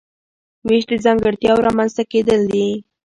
وېش د ځانګړتیاوو رامنځته کیدل دي.